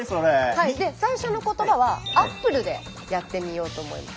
はいで最初の言葉はＡｐｐｌｅでやってみようと思います。